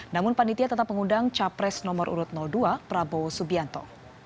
namun panitia tetap mengundang capres nomor urut dua prabowo subianto